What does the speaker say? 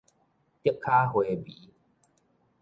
竹跤花眉